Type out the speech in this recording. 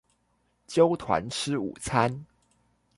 揪團吃午餐